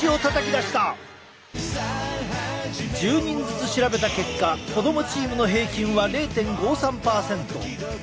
１０人ずつ調べた結果子どもチームの平均は０．５３％。